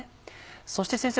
そして先生